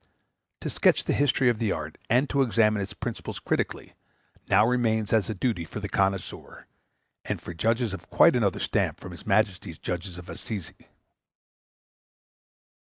To sketch the history of the art, and to examine its principles critically, now remains as a duty for the connoisseur, and for judges of quite another stamp from his Majesty's Judges of Assize.